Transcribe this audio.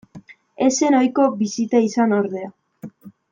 Ez zen ohiko bisita izan ordea.